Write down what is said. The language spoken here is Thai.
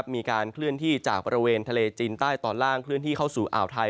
มีการเคลื่อนที่จากบริเวณทะเลจีนใต้ตอนล่างเคลื่อนที่เข้าสู่อ่าวไทย